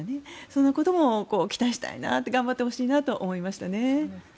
そのことも期待したいなって頑張ってほしいなと思いましたね。